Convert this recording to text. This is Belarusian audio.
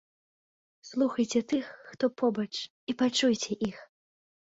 Слухайце тых, хто побач і пачуйце іх!